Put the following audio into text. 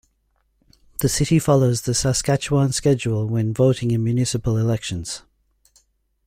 The city follows the Saskatchewan schedule when voting in municipal elections.